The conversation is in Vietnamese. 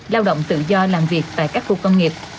lao động tự do làm việc tại các khu công nghiệp